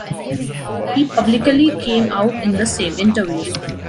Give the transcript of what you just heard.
He publicly came out in the same interview.